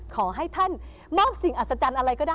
ขอให้ท่านมอบสิ่งอัศจรรย์อะไรก็ได้